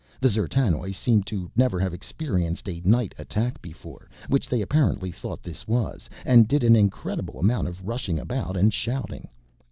The D'zertanoj seemed to never have experienced a night attack before, which they apparently thought this was, and did an incredible amount of rushing about and shouting.